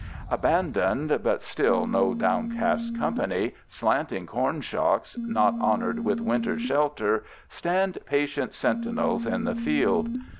Abandoned, but still no downcast company, slanting corn shocks not honored with winter shelter stand patient sentinels in the field.